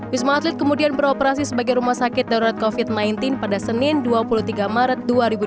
wisma atlet kemudian beroperasi sebagai rumah sakit darurat covid sembilan belas pada senin dua puluh tiga maret dua ribu dua puluh